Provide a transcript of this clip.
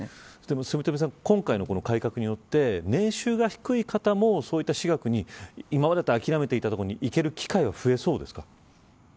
末冨さん、今回の改革によって年収が低い方も私学に今まで諦めていた所に行ける機会が増えそうですか